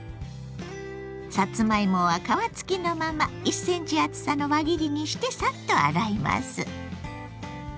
さつまいもは皮付きのまま１ｃｍ厚さの輪切りにしてサッと洗います。